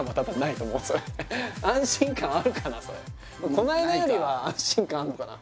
この間よりは安心感あんのかな？